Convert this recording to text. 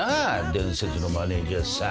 伝説のマネジャーさん。